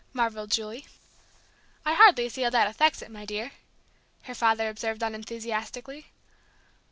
marvelled Julie. "I hardly see how that affects it, my dear!" her father observed unenthusiastically.